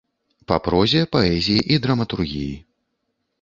Па прозе, паэзіі і драматургіі.